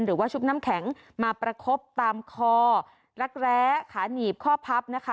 ชุบน้ำแข็งมาประคบตามคอรักแร้ขาหนีบข้อพับนะคะ